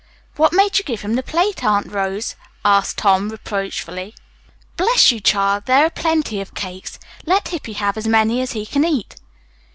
"What made you give him the plate, Aunt Rose?" asked Tom reproachfully. "Bless you, child, there are plenty of cakes. Let Hippy have as many as he can eat."